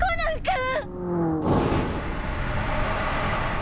ん！？